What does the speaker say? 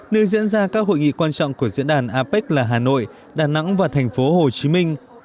nơi diễn ra các hội nghị quan trọng của diễn đàn apec là hà nội đà nẵng và thành phố hồ chí minh